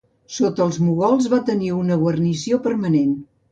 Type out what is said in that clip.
Sota els mogols va tenir una guarnició permanent.